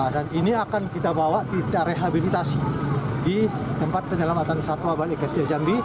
dan ini akan kita bawa ke rehabilitasi di tempat penyelamatan satwa balik sda jambi